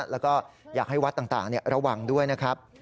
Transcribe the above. แล้วก็อยากให้วัดต่างระวังด้วยนะครับ